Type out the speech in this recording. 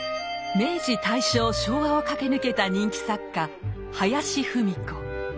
明治・大正・昭和を駆け抜けた人気作家林芙美子。